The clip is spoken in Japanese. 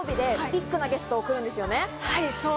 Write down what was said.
ビッグゲストが来るんですよね。